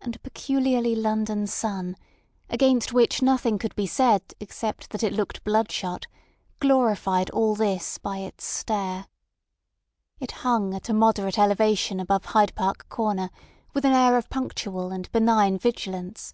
And a peculiarly London sun—against which nothing could be said except that it looked bloodshot—glorified all this by its stare. It hung at a moderate elevation above Hyde Park Corner with an air of punctual and benign vigilance.